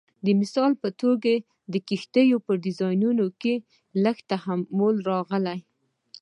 د مثال په توګه د کښتیو په ډیزاین کې لږ تحول راغی